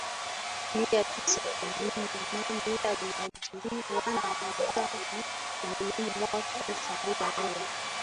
mia tisa themanini na nane aliajiriwa na wizara ya elimu Mwaka elfu moja mia